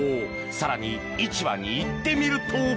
更に、市場に行ってみると。